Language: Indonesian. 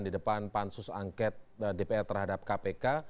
di depan pansus angket dpr terhadap kpk